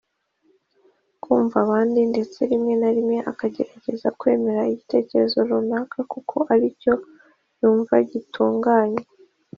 kumva abandi ndetse rimwe na rimwe akagerageza kwemera igitekerezo runaka kuko ari cyo yumva gitunganye.